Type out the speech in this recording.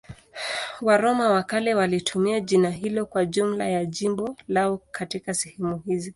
Waroma wa kale walitumia jina hilo kwa jumla ya jimbo lao katika sehemu hizi.